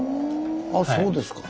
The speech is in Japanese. はあそうですか。